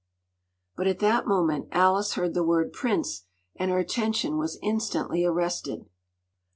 ” But at that moment Alice heard the word “prince,” and her attention was instantly arrested.